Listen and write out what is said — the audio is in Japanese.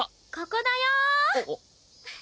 ここだよ！